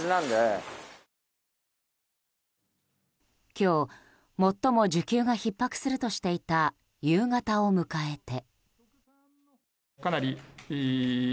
今日、最も需給がひっ迫するとしていた夕方を迎えて。